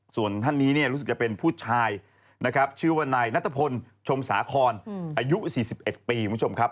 ส่วนท่านนี้รู้สึกจะเป็นผู้ชายชื่อวันนายนัตตะพลชมศาคอนอายุ๔๑ปีคุณผู้ชมครับ